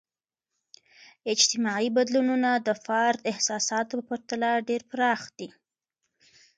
اجتماعي بدلونونه د فرد احساساتو په پرتله ډیر پراخ دي.